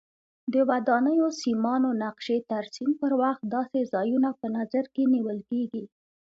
د ودانیو سیمانو نقشې ترسیم پر وخت داسې ځایونه په نظر کې نیول کېږي.